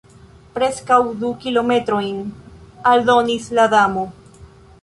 "Preskaŭ du kilometrojn," aldonis la Damo.